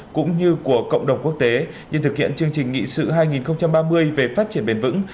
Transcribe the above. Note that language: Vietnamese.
cũng như của cộng đồng quốc tế như thực hiện chương trình nghị sự hai nghìn ba mươi về phát triển bền vững